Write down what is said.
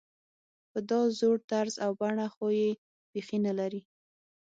په دا زوړ طرز او بڼه خو یې بېخي نلري.